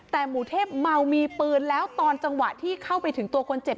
แต่หมู่เทพเมามีปืนแล้วตอนจังหวะที่เข้าไปถึงตัวคนเจ็บ